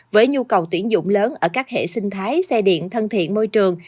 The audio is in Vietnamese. với nhu cầu tuyển dụng lớn ở các hệ sinh thái xe điện thân thiện môi trường